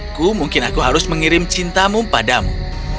aku mungkin aku harus mengirim cintamu padamu